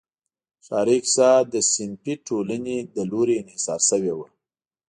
ښاري اقتصاد د صنفي ټولنو له لوري انحصار شوی و.